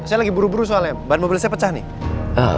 saya lagi buru buru soalnya ban mobil saya pecah nih